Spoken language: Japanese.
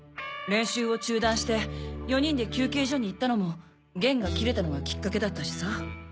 練習を中断して４人で休憩所に行ったのも弦が切れたのがきっかけだったしさ。